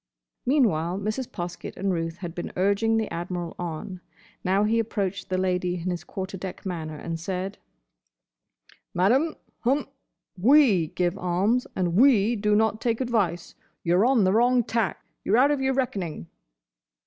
Meanwhile Mrs. Poskett and Ruth had been urging the Admiral on. Now he approached the Lady in his quarter deck manner, and said, "Madam—hum—we give alms, and we do not take advice. You 're on the wrong tack. You 're out of your reckoning."